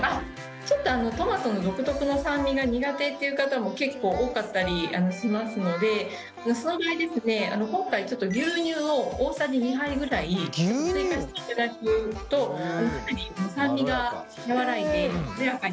ちょっとトマトの独特の酸味が苦手っていう方も結構多かったりしますのでその場合ですね今回ちょっと牛乳を大さじ２杯ぐらい追加していただくとかなり酸味が和らいでまろやかになりますので。